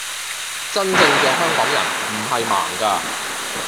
真正嘅香港人唔係盲㗎